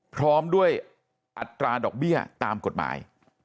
พร้อมด้วยอัตราดอกเบี้ยตามกฎหมาย